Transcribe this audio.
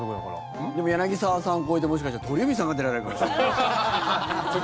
でも、柳澤さん超えてもしかしたら鳥海さんが出られるかもしれない。